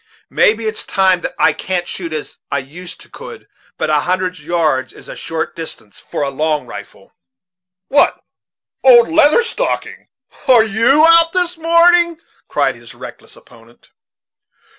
Maybe it's true that I can't shoot as I used to could, but a hundred yards is a short distance for a long rifle." "What, old Leather Stocking, are you out this morning?" cried his reckless opponent.